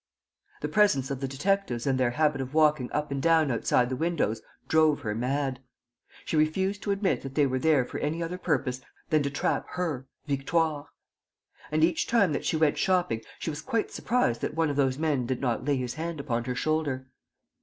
The presence of the detectives and their habit of walking up and down outside the windows drove her mad. She refused to admit that they were there for any other purpose than to trap her, Victoire. And, each time that she went shopping, she was quite surprised that one of those men did not lay his hand upon her shoulder.